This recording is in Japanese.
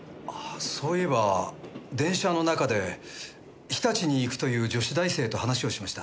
そういえば電車の中で日立に行くという女子大生と話しをしました。